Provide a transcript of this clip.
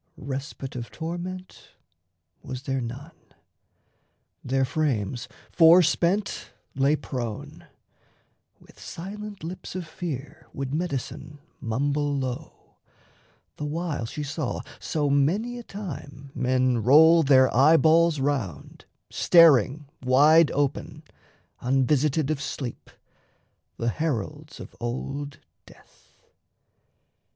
Respite of torment was there none. Their frames Forspent lay prone. With silent lips of fear Would Medicine mumble low, the while she saw So many a time men roll their eyeballs round, Staring wide open, unvisited of sleep, The heralds of old death.